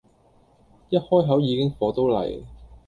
一開口已經火到黎